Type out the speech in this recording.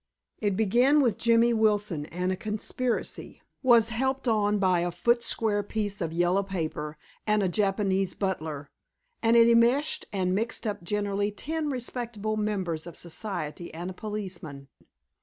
It began with Jimmy Wilson and a conspiracy, was helped on by a foot square piece of yellow paper and a Japanese butler, and it enmeshed and mixed up generally ten respectable members of society and a policeman.